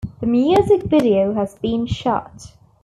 The music video has been shot.